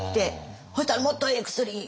そしたらもっとええ薬。